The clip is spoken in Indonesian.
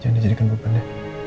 jangan dijadikan beban ya